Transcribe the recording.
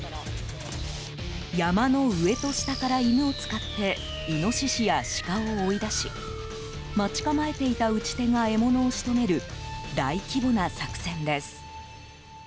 山の上と下から犬を使ってイノシシやシカを追い出し待ち構えていた撃ち手が獲物を仕留める大規模な作戦です。